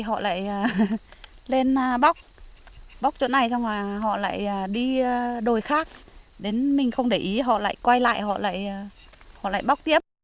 họ lại lên bóc bóc chỗ này xong rồi họ lại đi đồi khác đến mình không để ý họ lại quay lại họ lại họ lại bóc tiếp